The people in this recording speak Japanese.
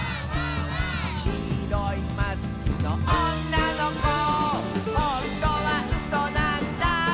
「きいろいマスクのおんなのこ」「ほんとはうそなんだ」